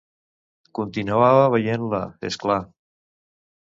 Continuava veient-la, és clar.